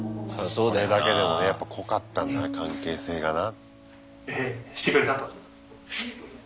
これだけでもやっぱ濃かったんだな関係性がな。